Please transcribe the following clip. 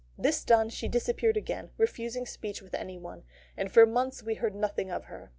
This done she disappeared again, refusing speech with anyone, and for months we heard nothing of her.